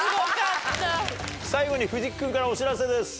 最後に藤木君からお知らせです。